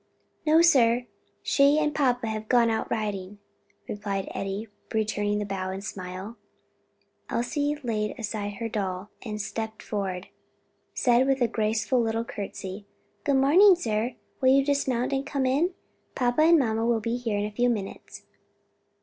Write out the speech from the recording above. "No, sir, she and papa have gone out riding," replied Eddie, returning the bow and smile. Elsie laid aside her doll and stepping forward, said with a graceful little courtesy, "Good morning, sir, will you dismount and come in? Papa and mamma will probably be here in a few minutes."